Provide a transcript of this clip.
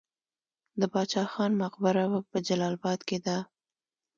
د باچا خان مقبره په جلال اباد کې ده